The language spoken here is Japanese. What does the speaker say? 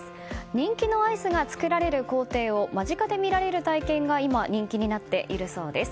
人気のアイスが作られる工程を間近で見られる体験が今、人気になっているそうです。